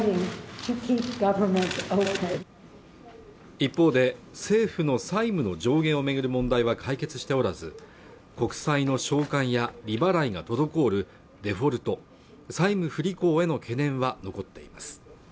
一方で政府の債務の上限をめぐる問題は解決しておらず国債の償還や利払いが滞るデフォルト債務不履行への懸念は残っています